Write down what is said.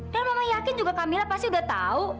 dan mama yakin juga kamila pasti udah tahu